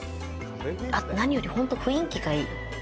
何より、ほんと雰囲気がいい。